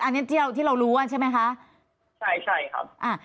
อันนี้เที่ยวที่เรารู้ว่าใช่ไหมคะใช่ใช่ครับอ่า